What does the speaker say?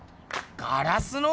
ガラスの？